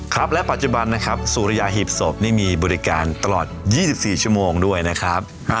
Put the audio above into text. ครับและปัจจุบันนะครับสุริยาหีบศพนี่มีบริการตลอด๒๔ชั่วโมงด้วยนะครับ